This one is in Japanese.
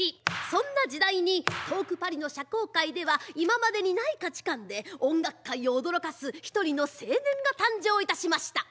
そんな時代に遠くパリの社交界では今までにない価値観で音楽界を驚かす１人の青年が誕生いたしました。